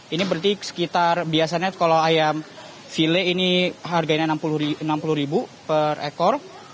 ini berarti sekitar biasanya kalau ayam file ini harganya rp enam puluh per ekor